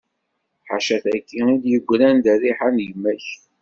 Ḥaca taki i yi-d-yegran d rriḥa n gma-k.